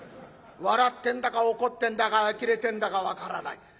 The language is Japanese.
笑ってんだか怒ってんだかあきれてんだか分からない。